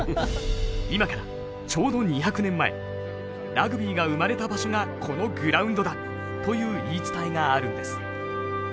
今からちょうど２００年前ラグビーが生まれた場所がこのグラウンドだという言い伝えがあるんです。